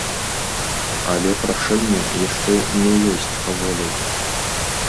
Але прашэнне яшчэ не ёсць воляй.